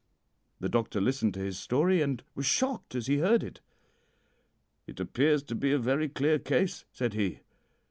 The doctor listened to his story, and was shocked as he heard it. "'It appears to be a very clear case,' said he.